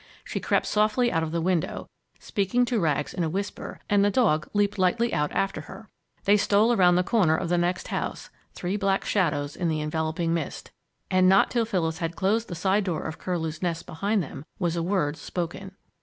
She crept softly out of the window, speaking to Rags in a whisper, and the dog leaped lightly out after her. They stole around the corner of the next house, three black shadows in the enveloping mist, and not till Phyllis had closed the side door of Curlew's Nest behind them was a word spoken.